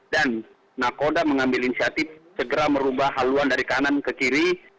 dan nakoda mengambil inisiatif segera merubah haluan dari kanan ke kiri